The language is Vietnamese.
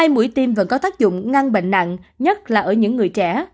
hai mũi tim vẫn có tác dụng ngăn bệnh nặng nhất là ở những người trẻ